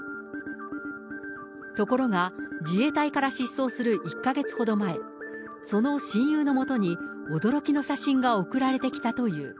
ところが、自衛隊から失踪する１か月ほど前、その親友のもとに驚きの写真が送られてきたという。